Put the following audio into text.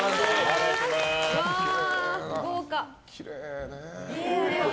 きれいね。